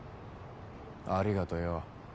ありがとよ。